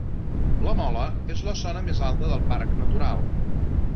La Mola és la zona més alta del Parc Natural.